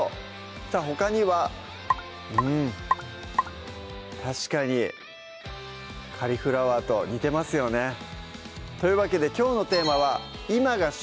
さぁほかにはうん確かにカリフラワーと似てますよねというわけできょうのテーマは「今が旬！